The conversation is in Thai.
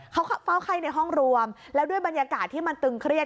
เขาเฝ้าไข้ในห้องรวมแล้วด้วยบรรยากาศที่มันตึงเครียด